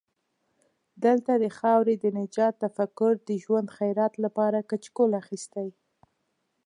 دلته د خاورې د نجات تفکر د ژوند خیرات لپاره کچکول اخستی.